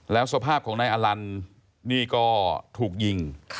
แล้วสภาพของนายอลันนี่ก็ถูกยิง